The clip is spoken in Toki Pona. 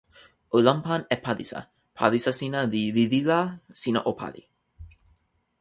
o lanpan e palisa. palisa sina li lili la sina o pali.